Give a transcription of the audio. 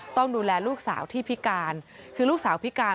ต้องดูแลลูกสาวที่พิการคือลูกสาวพิการ